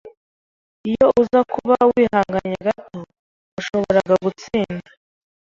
Iyo uza kuba wihanganye gato, washoboraga gutsinda.